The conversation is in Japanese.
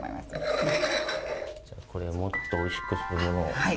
じゃこれをもっとおいしくするものを。